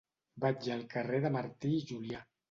Vaig al carrer de Martí i Julià.